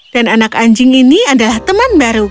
dan anak anjing ini adalah teman baruku